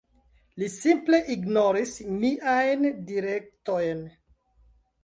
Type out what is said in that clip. Li simple ignoris miajn direktojn.